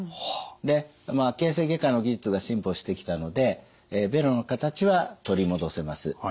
で形成外科の技術が進歩してきたのでベロの形は取り戻せます。